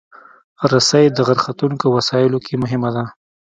رسۍ د غر ختونکو وسایلو کې مهمه ده.